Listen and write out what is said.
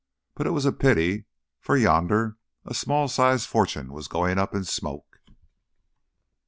But it was a pity, for yonder a small sized fortune was going up in smoke.